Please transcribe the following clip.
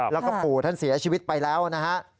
แล้วก็ปู่ท่านเสียชีวิตไปแล้วนะฮะ